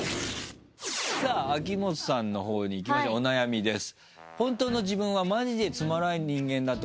秋元さんのほうにいきましょうお悩みです。